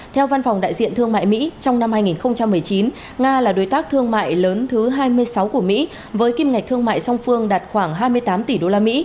theo văn phòng đại diện thương mại mỹ trong năm hai nghìn một mươi chín nga là đối tác thương mại lớn thứ hai mươi sáu của mỹ với kim ngạch thương mại song phương đạt khoảng hai mươi tám tỷ usd